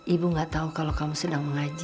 ibu gak tahu kalau kamu sedang mengaji